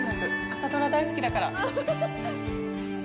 朝ドラ大好きだから。